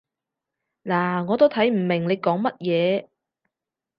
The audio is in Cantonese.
嗱，我都睇唔明你講乜嘢